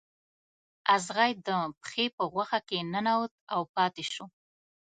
اغزی د پښې په غوښه کې ننوت او پاتې شو.